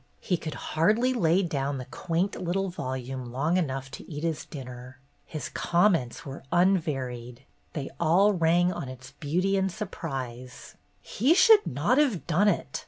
He could hardly lay down the quaint little volume long enough to eat his dinner. His comments were unvaried; they all rang on its beauty and his surprise. "He should not have done it.